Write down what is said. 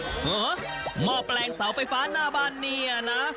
เหรอหม้อแปลงเสาไฟฟ้าหน้าบ้านเนี่ยนะ